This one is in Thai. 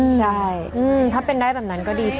ใช่ถ้าเป็นได้แบบนั้นก็ดีใจ